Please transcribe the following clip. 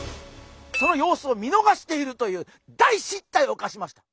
その様子を見逃しているという大失態をおかしました。